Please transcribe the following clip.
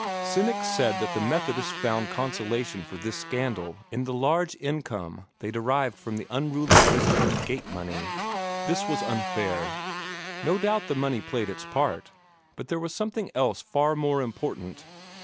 Cynics said that the Methodists found consolation for this scandal in the large income they derived from their unruly visitors' gate money. This was unfair. No doubt the money played its part, but there was something else far more important.